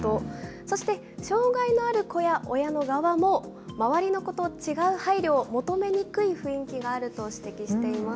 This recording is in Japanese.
そして、障害のある子や親の側も、周りの子と違う配慮を求めにくい雰囲気があると指摘しています。